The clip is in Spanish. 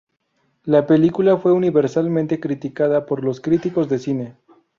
La película fue universalmente criticada por los críticos de cine.